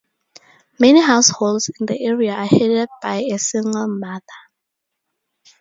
Many households in the area are headed by a single mother.